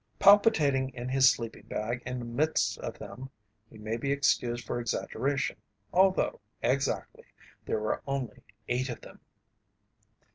Palpitating in his sleeping bag in the midst of them, he may be excused for exaggeration, although, exactly, there were only eight of them.